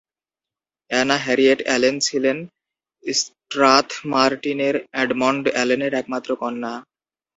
Anna Harriet Allen ছিলেন স্ট্রাথমার্টিনের Edmund অ্যালেনের একমাত্র কন্যা।